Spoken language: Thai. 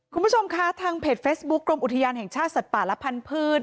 คุณผู้ชมคะทางเพจเฟซบุ๊คกรมอุทยานแห่งชาติสัตว์ป่าและพันธุ์